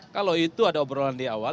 kalau itu ada obrolan di awal